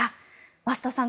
増田さん